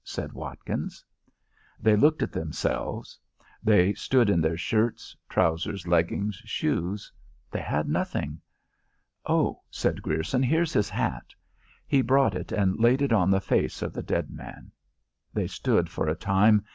said Watkins. They looked at themselves. They stood in their shirts, trousers, leggings, shoes; they had nothing. "Oh," said Grierson, "here's his hat." He brought it and laid it on the face of the dead man. They stood for a time.